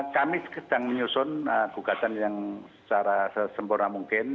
kami sedang menyusun gugatan yang secara sesempurna mungkin